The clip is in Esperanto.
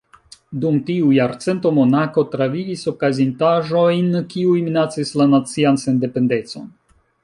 Dum tiu jarcento, Monako travivis okazintaĵojn kiuj minacis la nacian sendependecon.